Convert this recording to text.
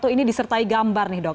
ini disertai gambar nih dok